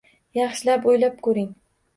Yaxshilab o’ylab ko’ring!